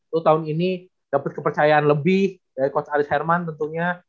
tuh tahun ini dapat kepercayaan lebih dari coach aris herman tentunya